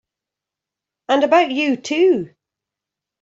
And about you too!